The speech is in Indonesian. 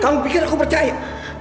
kamu pikir aku percaya